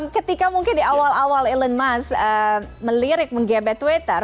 ketika mungkin di awal awal elon musk melirik menggebet twitter